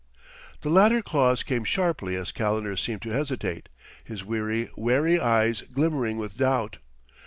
The latter clause came sharply as Calendar seemed to hesitate, his weary, wary eyes glimmering with doubt.